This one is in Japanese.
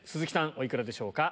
お幾らでしょうか？